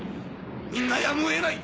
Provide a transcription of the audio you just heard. みんなやむを得ない！